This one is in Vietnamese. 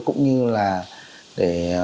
cũng như là để